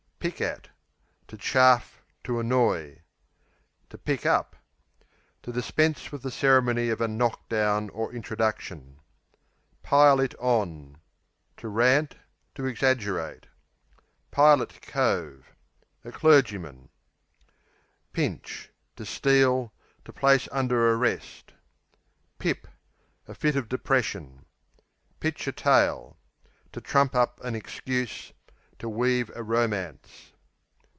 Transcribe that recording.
Pick at To chaff; to annoy Pick up, to To dispense with the ceremony of a "knock down" or introduction. Pile it on To rant; to exaggerate. Pilot Cove A clergyman. Pinch To steal; to place under arrest. Pip A fit of depression. Pitch a tale To trump up an excuse; to weave a romance.